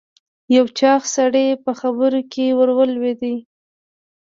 یو چاغ سړی په خبره کې ور ولوېد.